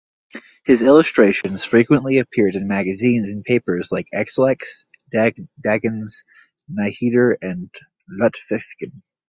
His illustrations frequently appeared in magazines and papers like Exlex, Dagens Nyheter and Lutfisken.